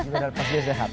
jumlahnya pasti sehat